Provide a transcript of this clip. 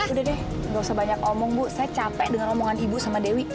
udah deh gak usah banyak omong bu saya capek dengan omongan ibu sama dewi